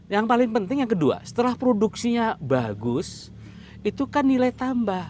yang paling penting yang kedua setelah produksinya bagus itu kan nilai tambah